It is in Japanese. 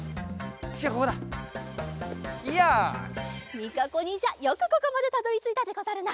みかこにんじゃよくここまでたどりついたでござるな！